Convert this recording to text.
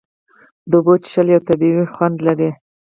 د اوبو څښل یو طبیعي خوند لري.